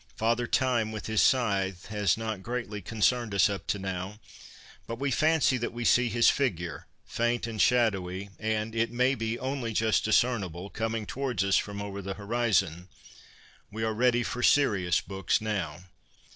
Father Time with his scythe has not greatly concerned us up to now ; but we fancy that we see his figure, faint and shadowy, and, it may be, only just discernible, coming towards us from over the horizon. ... We are ready for serious books now.